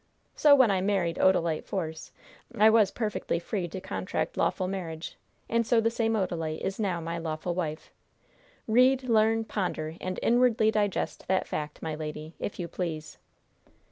So, when I married Odalite Force, I was perfectly free to contract lawful marriage, and so the same Odalite is now my lawful wife. 'Read, learn, ponder and inwardly digest' that fact, my lady, if you please."